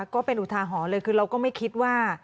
ก็เป็นอุทาหรณ์เลยคือเราก็ไม่คิดว่า